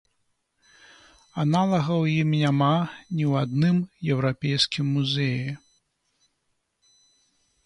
Аналагаў ім няма ні ў адным еўрапейскім музеі!